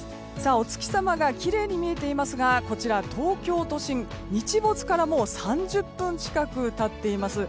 お月様がきれいに見えていますがこちら東京都心、日没からもう３０分近く経っています。